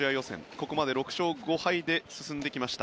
ここまで６勝５敗で進んできました。